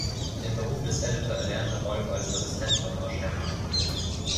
Den Beruf des Editor erlernte Rolf als Assistent von Marsh Hendry.